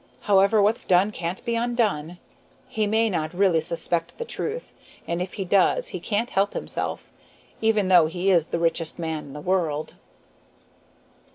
However, what's done can't be undone. He may not really suspect the truth, and if he does he can't help himself, even though he is the richest man in the world."